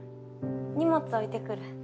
荷物置いてくる。